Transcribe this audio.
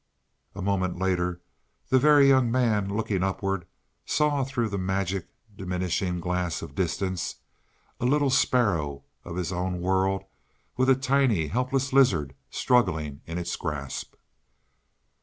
And a moment later the Very Young Man, looking upward, saw through the magic diminishing glass of distance, a little sparrow of his own world, with a tiny, helpless lizard struggling in its grasp.